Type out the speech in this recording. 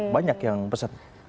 banyak yang pesan